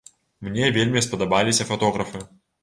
Мне вельмі спадабаліся фатографы.